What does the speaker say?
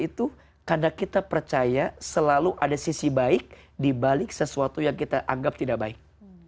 itu karena kita percaya selalu ada sisi baik dibalik sesuatu yang kita anggap tidak baik